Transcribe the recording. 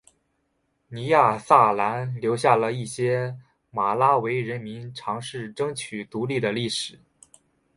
尼亚萨兰留下了一些马拉维人民尝试争取独立的历史。